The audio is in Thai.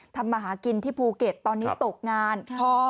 ทำมาหากินที่ภูเก็ตตอนนี้ตกงาน